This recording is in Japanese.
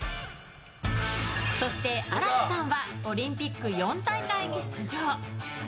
そして、荒木さんはオリンピック４大会に出場。